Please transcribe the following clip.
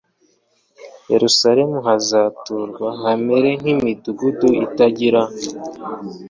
yerusalemu hazaturwa hamere nk imidugudu itagira